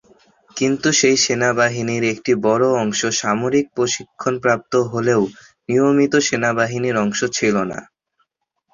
কিন্তু সেই সেনাবাহিনীর একটি বড়ো অংশ সামরিক প্রশিক্ষণপ্রাপ্ত হলেও নিয়মিত সেনাবাহিনীর অংশ ছিল না।